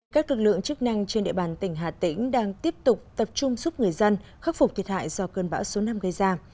các lực lượng chức năng trên địa bàn tỉnh hà tĩnh đang tiếp tục tập trung giúp người dân khắc phục thiệt hại do cơn bão số năm gây ra